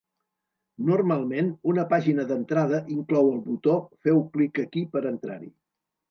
Normalment, una pàgina d'entrada inclou el botó "Feu clic aquí per entrar-hi".